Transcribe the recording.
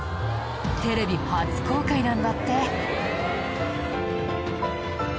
テレビ初公開なんだって！